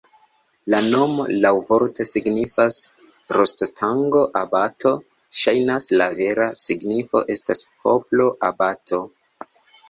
La nomo laŭvorte signifas rostostango-abato, ŝajnas, la vera signifo estas poplo-abato.